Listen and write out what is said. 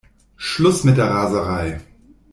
Schluss mit der Raserei!